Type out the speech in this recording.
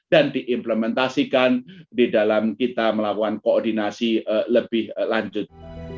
dan diimplementasikan di dalam kita melakukan koordinasi lebih lanjut